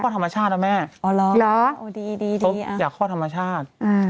เขานะแม่เน้วดีที่อยากข้อธรรมชาติ